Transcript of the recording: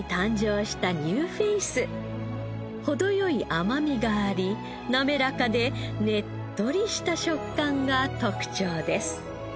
程良い甘みがありなめらかでねっとりした食感が特長です。